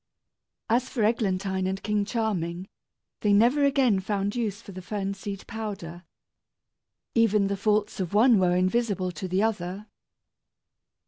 As for Eglantine and King Charming, they never again found use for the fern seed powder. Even the faults of one were invisible to the other.